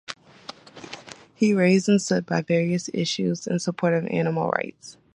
He raised and stood by various issues in support of animal rights.